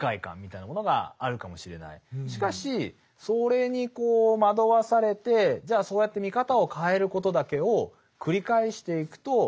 しかしそれに惑わされてじゃあそうやって見方を変えることだけを繰り返していくとどうなってしまうのか。